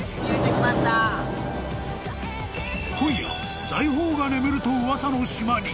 ［今夜財宝が眠ると噂の島に］